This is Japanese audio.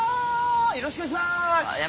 よろしくお願いします。